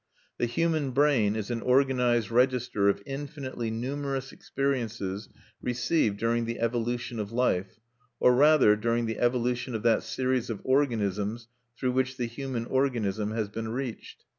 "The human brain is an organized register of infinitely numerous experiences received during the evolution of life, or rather, during the evolution of that series of organisms through which the human organism has been reached.